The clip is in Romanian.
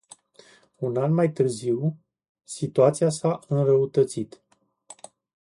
Un an mai târziu, situația s-a înrăutățit.